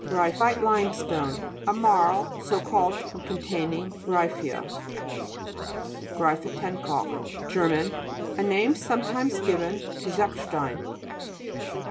GRY'PHITE LIMESTONE A marl, so called from containing gry'phea. GRY'PHITENKAIK Ger. A name sometimes given to zechstein (p.